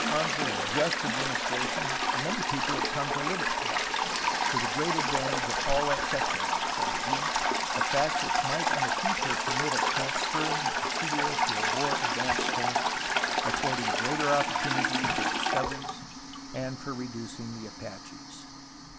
Because of Anza's just administration many people had come to Uve at Tubac, to the great ad vantage of all that section, Baid Rubl, a fact which might in the future permit of transferring the presidio to a more ad vanced point, affording greater opportunity for discoveries and for reducing the Apaches.